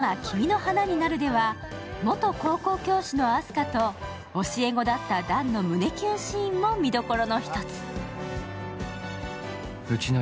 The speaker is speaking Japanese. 更に火曜ドラマ「君の花になる」では元高校教師のあす花と教え子だった弾の胸キュンシーンも見どころの一つ。